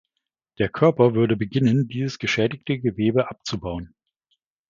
Der Körper würde beginnen, dieses geschädigte Gewebe abzubauen.